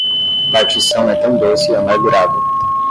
Partição é tão doce e armagurado